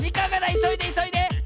いそいでいそいで！